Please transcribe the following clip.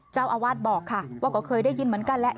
เจ้าอาวาสบอกค่ะว่าก็เคยได้ยินเหมือนกันแหละ